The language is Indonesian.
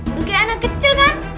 aduh kayak anak kecil kan